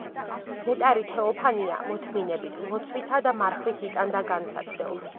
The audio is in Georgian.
ნეტარი თეოფანია მოთმინებით, ლოცვითა და მარხვით იტანდა განსაცდელს.